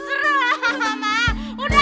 seram banget put